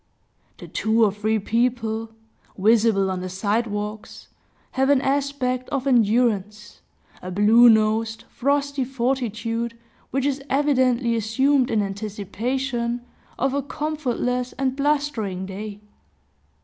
The two or three people, visible on the side walks, have an aspect of endurance, a blue nosed, frosty fortitude, which is evidently assumed in anticipation of a comfortless and blustering day.